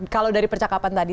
kalau dari percakapan tadi